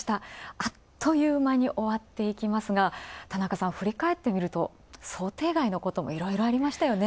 あっという間に終わっていきますが、田中さん、振り返ってみると想定外のことも、いろいろありましたよね。